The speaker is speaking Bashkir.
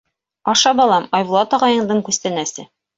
— Аша, балам, Айбулат ағайыңдың күстәнәсе.